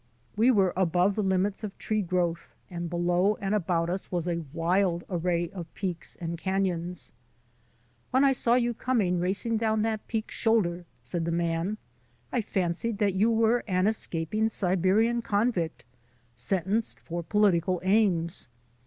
We were above the limits of tree growth and below and about us was a wild array of peaks and canons. "When I saw you come racing down that peak shoulder," said the man, "I fancied that you were an escaping Siberian convict, sentenced for politi cal aims.